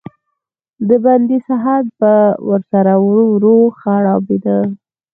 د بندي صحت به ورسره ورو ورو خرابېده.